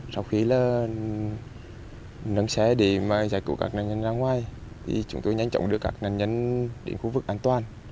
sau khi là nâng xe để giải cứu các nạn nhân ra ngoài thì chúng tôi nhanh chóng đưa các nạn nhân đến khu vực an toàn